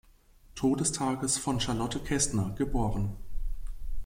Todestages von Charlotte Kestner, geb.